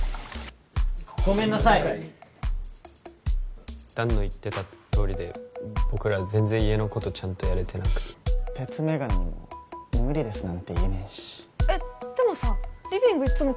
ごめんなさい弾の言ってたとおりで僕ら全然家のことちゃんとやれてなくて鉄眼鏡にも「無理です」なんて言えねえしえっでもさリビングいつも